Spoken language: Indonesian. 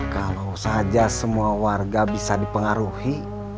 kalau saja semua warga bisa dipengaruhi